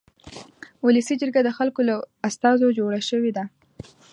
ولسي جرګه د خلکو له استازو جوړه شوې ده.